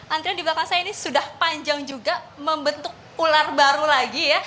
antrian di belakang saya ini sudah panjang juga membentuk ular baru lagi ya